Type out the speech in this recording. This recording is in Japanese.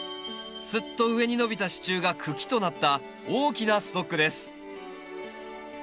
すっと上に伸びた支柱が茎となった大きなストックです。